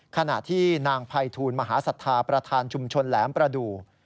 ขณะที่นางภัยทูลมหาศรัทธาประธานชุมชนแหลมประดูก